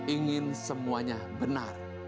ingin semuanya benar